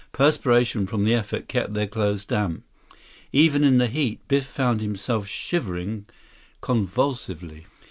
Perspiration from the effort kept their clothes damp. Even in the heat, Biff found himself shivering convulsively.